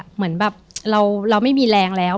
เหมือนแบบเราไม่มีแรงแล้ว